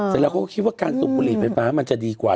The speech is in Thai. เสร็จแล้วเขาก็คิดว่าการสูบบุหรี่ไฟฟ้ามันจะดีกว่า